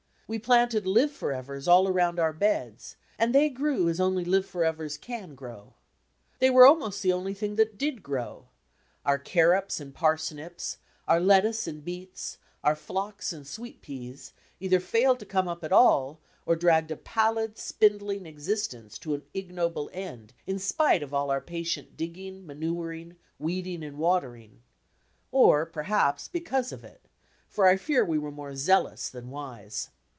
We planted live forevers around all our beds, and they grew as only live> forevers can grow. They were almost the only things that did grow. Our carrots and parsnips, our lettuces and beets, our phlox and sweet peas either failed to come up at all, or dragged a pallid, spindling existence to an ignoble end, in spite of all our patient digging, manuring, weeding, and watering, or, perhaps, because of it, for I fear we were more zealous than wise.